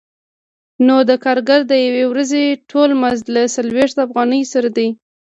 نو د کارګر د یوې ورځې ټول مزد له څلوېښت افغانیو سره دی